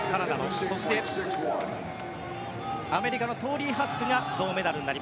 そして、アメリカのトーリー・ハスクが銅メダル。